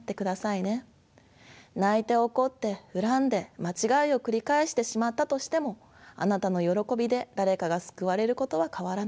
泣いて怒って恨んで間違いを繰り返してしまったとしてもあなたのよろこびで誰かが救われることは変わらない。